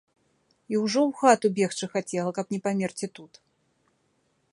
І ўжо ў хату бегчы хацела, каб не памерці тут.